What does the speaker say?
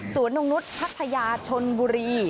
ศูนย์นุ่งนุษย์พัทยาชนบุรี